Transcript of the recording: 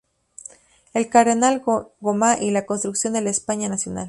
El Cardenal Gomá y la construcción de la España Nacional".